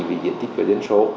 vì diện tích của dân số